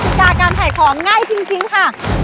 กฎิกาการไถ่ของง่ายจริงค่ะ